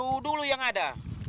kalau dulu yang ada